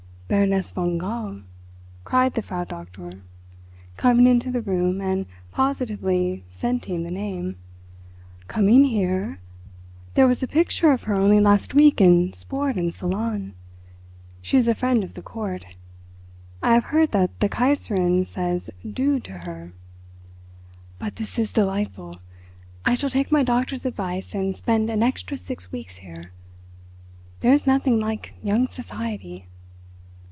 "Baroness von Gall," cried the Frau Doktor, coming into the room and positively scenting the name. "Coming here? There was a picture of her only last week in Sport and Salon. She is a friend of the Court: I have heard that the Kaiserin says 'du' to her. But this is delightful! I shall take my doctor's advice and spend an extra six weeks here. There is nothing like young society."